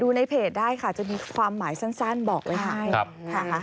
ในเพจได้ค่ะจะมีความหมายสั้นบอกเลยค่ะ